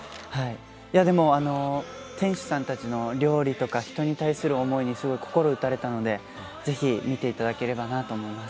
でも、店主さんたちの料理とか人に対する思いにすごい心打たれたので、ぜひ見ていただければなと思います。